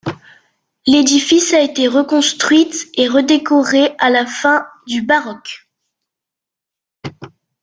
L'édifice à été reconstruite et redécorée à la fin du baroque.